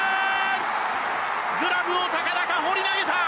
グラブを高々放り投げた！